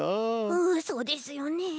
うんそうですよね。